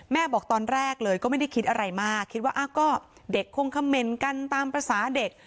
บอกตอนแรกเลยก็ไม่ได้คิดอะไรมากคิดว่าก็เด็กคงคำเมนต์กันตามภาษาเด็ก